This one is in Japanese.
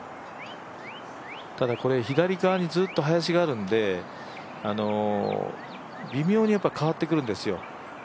左側にずっと林があるので微妙に変わってくるんですよ。